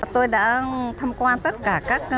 tôi đã thăm quan tất cả các doanh nghiệp